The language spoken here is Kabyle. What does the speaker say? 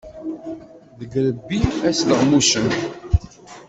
Deg yirebbi ad sleɣmucen.